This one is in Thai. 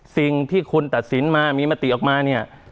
สิ่งที่คุณตัดสินมามีมติออกมาเนี่ย